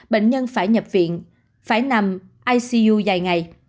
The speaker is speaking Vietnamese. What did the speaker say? bệnh nhân phải nhập viện phải nằm icu dài ngày